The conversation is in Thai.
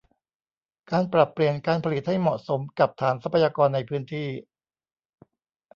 การปรับเปลี่ยนการผลิตให้เหมาะสมกับฐานทรัพยากรในพื้นที่